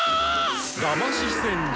だまし戦術！